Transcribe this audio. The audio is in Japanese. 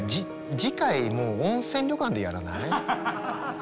次回もう温泉旅館でやらない？